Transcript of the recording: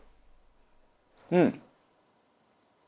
うん！